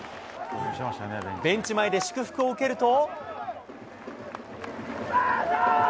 ベンチ前で祝福を受けると。